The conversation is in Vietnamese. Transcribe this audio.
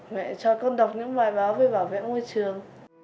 mẹ cho con đọc những bài báo về bảo vệ môi trường